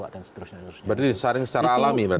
dan seterusnya berarti disaring secara alami